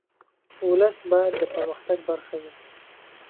ولس باید د پرمختګ برخه وي.